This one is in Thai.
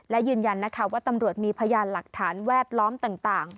และยืนยันนะคะว่าตำรวจมีพยานหลักฐานแวดล้อมต่าง